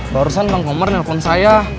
barusan bang homer nelfon saya